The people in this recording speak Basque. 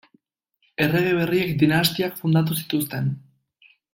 Errege berriek dinastiak fundatu zituzten.